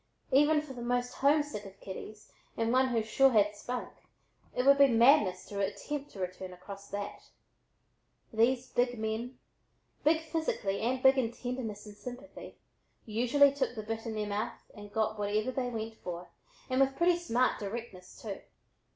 Even for the most homesick of kitties and one who "sure had spunk," it would be madness to attempt to return across that. These big men, big physically and big in tenderness and sympathy, usually "took the bit in their mouths and got whatever they went for," and with pretty smart directness, too.